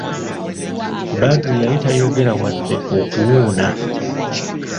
Badru yali tayogera wadde okuwuuna!